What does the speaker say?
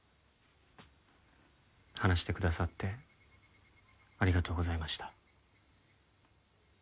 話してくださってありがとうございました。